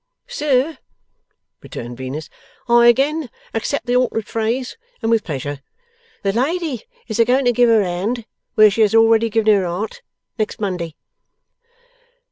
'Sir,' returned Venus, 'I again accept the altered phrase, and with pleasure. The lady is a going to give her 'and where she has already given her 'art, next Monday.